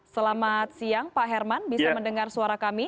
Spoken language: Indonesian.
selamat siang pak herman bisa mendengar suara kami